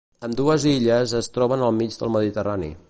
Ambdues illes es troben al mig del Mediterrani.